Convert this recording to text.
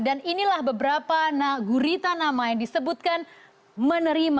dan inilah beberapa gurita nama yang disebutkan menerima